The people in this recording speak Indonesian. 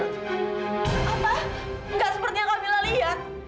apa gak seperti yang kamila lihat